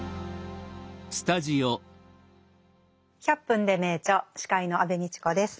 「１００分ｄｅ名著」司会の安部みちこです。